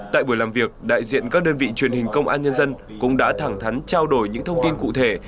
tại buổi làm việc đại diện các đơn vị truyền hình công an nhân dân cũng đã thẳng thắn trao đổi những thông tin cụ thể